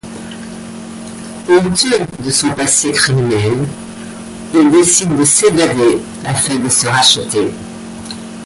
Honteux de son passé criminel, il décide de s'évader afin de se racheter.